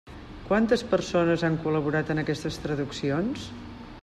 Quantes persones han col·laborat en aquestes traduccions?